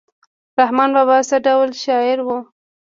رحمان بابا څه ډول شاعر و؟